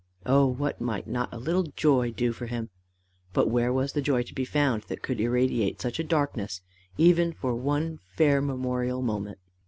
Oh what might not a little joy do for him! But where was the joy to be found that could irradiate such a darkness even for one fair memorial moment?